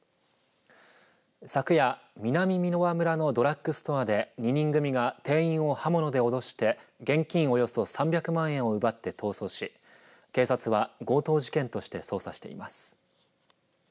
昨夜南箕輪村のドラッグストアで２人組が店員を刃物で脅して現金およそ３００万円を奪って逃走し警察は強盗事件として捜査しています。